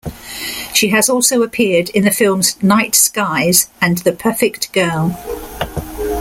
She has also appeared in the films "Night Skies", and "The Perfect Girl".